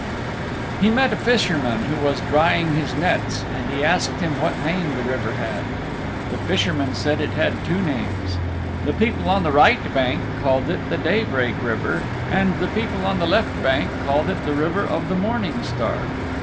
He met a Fisherman who was drying his nets and he asked him what name the river had. The Fisherman said it had two names. The people on the right bank called it the Day break River and the people on the left bank called it the River of the Morning Star.